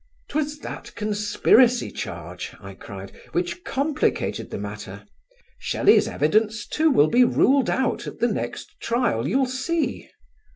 'Twas that conspiracy charge," I cried, "which complicated the matter. Shelley's evidence, too, will be ruled out at the next trial, you'll see."